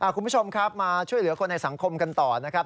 คุณผู้ชมครับมาช่วยเหลือคนในสังคมกันต่อนะครับ